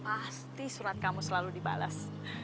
pasti surat kamu selalu dibalas